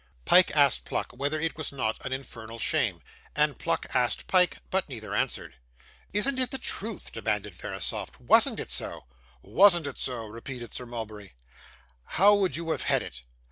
Pyke asked Pluck whether it was not an infernal shame, and Pluck asked Pyke; but neither answered. 'Isn't it the truth?' demanded Verisopht. 'Wasn't it so?' 'Wasn't it so!' repeated Sir Mulberry. 'How would you have had it?